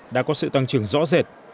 đã có sự tăng trưởng rõ rệt